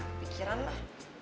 ya pikiran lah